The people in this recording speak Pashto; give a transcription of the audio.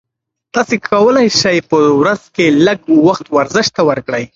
تاسي کولای شئ په ورځ کې لږ وخت ورزش ته ورکړئ.